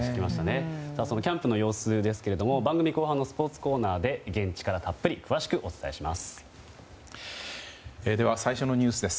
キャンプの様子ですけども番組後半のスポーツコーナーで現地からたっぷりと詳しくお伝えします。